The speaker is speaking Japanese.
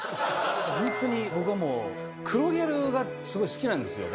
ホントに僕はもう黒ギャルがすごい好きなんですよ。